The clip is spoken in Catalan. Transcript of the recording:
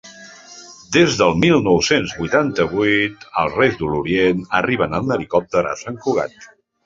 Des del mil nou-cents vuitanta-vuit els Reis de l'Orient arriben en helicòpter a Sant Cugat.